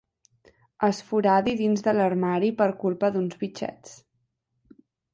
Es foradi dins de l'armari per culpa d'uns bitxets.